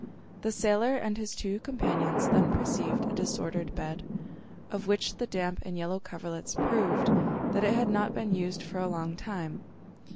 The sailor and his two companions then perceived a disordered bed, of which the damp and yellow coverlets proved that it had not been used for a long time.